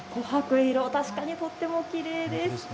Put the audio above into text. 確かにとってもきれいです。